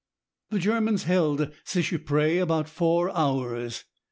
The Germans held Seicheprey about four hours.